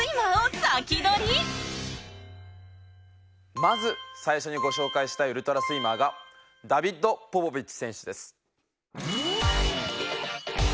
まず最初にご紹介したいウルトラスイマーがダビッド・ポポビッチ選手です。